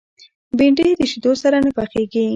بېنډۍ د شیدو سره نه پخېږي